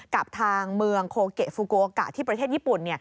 กับทางเมืองโคเกะฟูโกกะที่ประเทศญี่ปุ่น